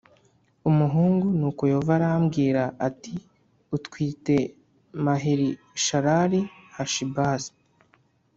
Umuhungu nuko yehova arambwira ati utwite maherishalali hashi bazi